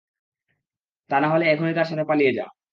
তানাহলে এখনই তার সাথে পালিয়ে যা।